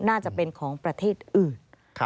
น่าจะเป็นของประเทศอื่น